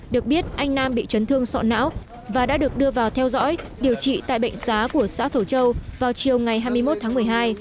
được biết anh nam bị chấn thương sọ não và đã được đưa vào theo dõi điều trị tại bệnh xá của xã thổ châu vào chiều ngày hai mươi một tháng một mươi hai